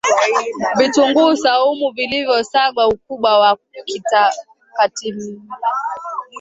Vitunguu swaumu vilivyo sagwa Ukubwa wa katimbili